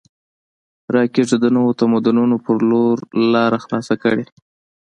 راکټ د نویو تمدنونو په لور لاره خلاصه کړې